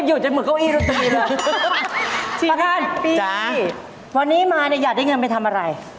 พอนี้มาอยากได้เงินไปทำอะไร